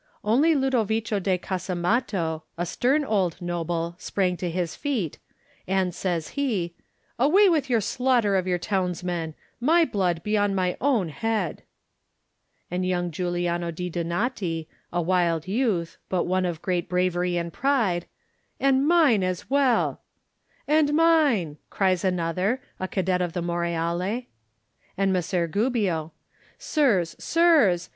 Only Ludovico da Casamatto, a stem old noble, sprang to his feet, and says he: "Away with your slaughter of your towns men! My blood be on my own head!" And young Juliano di Donati, a wild youth, but one of great bravery and pride, "And mine, as well!" 5$ Digitized by Google THE NINTH MAN ^* And miner' cries another, a cadet of the Moreale. And Messer Gubbio: *^Sirs! Sics!